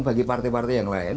bagi partai partai yang lain